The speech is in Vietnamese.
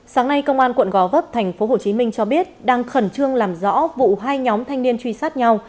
sáng nay công an quận gò vấp tp hcm cho biết đang khẩn trương làm rõ vụ hai nhóm thanh niên truy sát nhau